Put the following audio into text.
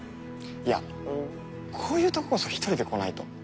いやこういうとここそ１人で来ないと。